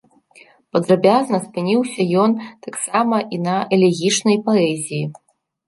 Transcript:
Падрабязна спыніўся ён таксама і на элегічнай паэзіі.